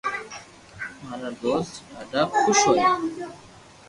مارا دوست ڌاڌا خوݾ ھويا